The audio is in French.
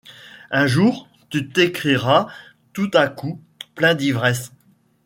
Un jour tu t’écrieras-tout à coup, plein d’ivresse